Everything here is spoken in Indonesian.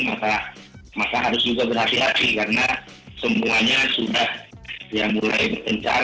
maka maka harus juga berhati hati karena semuanya sudah ya mulai berkencar